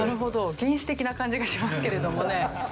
原始的な感じがしますけれどもね。